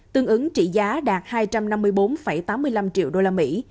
tương ứng trị giá đạt hai trăm năm mươi bốn tám mươi năm triệu đô la mỹ